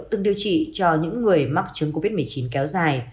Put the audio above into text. từng điều trị cho những người mắc chứng covid một mươi chín kéo dài